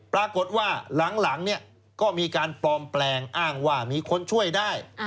ปรากฏว่าหลังเนี่ยก็มีการปลอมแปลงอ้างว่ามีคนช่วยได้